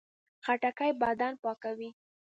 خټکی بدن پاکوي.